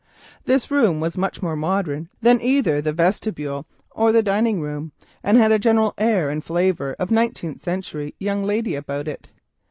This room was much more modern than either the vestibule or the dining room, and had an air and flavour of nineteenth century young lady about it.